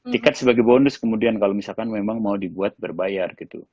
tiket sebagai bonus kemudian kalau misalkan memang mau dibuat berbayar gitu